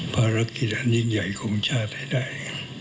ภารกิจอันยิ่งใหญ่ของชาติให้ได้